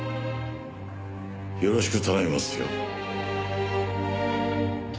よろしく頼みますよ。